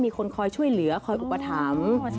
มีคนคอยช่วยเหลือคอยอุปถัมภ์